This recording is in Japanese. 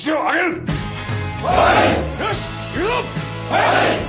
はい！